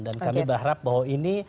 dan kami berharap bahwa ini